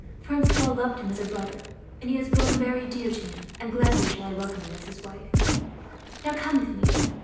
Francois loved him as a brother, and he has grown very dear to me, and gladly shall I welcome you as his wife. "Now, come with me.